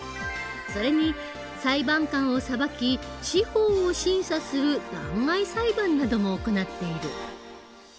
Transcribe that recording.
それに裁判官を裁き司法を審査する弾劾裁判なども行っている。